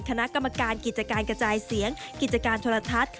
คณะกรรมการกิจการกระจายเสียงกิจการโทรทัศน์